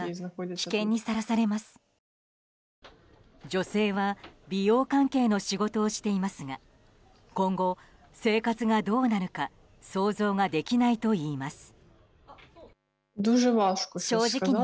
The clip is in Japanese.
女性は美容関係の仕事をしていますが今後、生活がどうなるか想像ができないといいます。